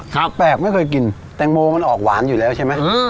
แปลกไม่เคยกินแตงโมมันออกหวานอยู่แล้วใช่ไหม